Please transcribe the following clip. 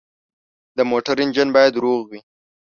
د موټر انجن باید روغ وي.